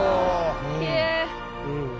きれい！